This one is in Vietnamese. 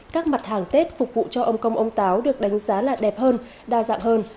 các mặt hàng tết phục vụ cho ông công ông táo được đánh giá là đẹp hơn đa dạng hơn